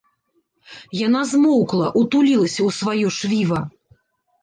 Яна змоўкла, утулілася ў сваё швіва.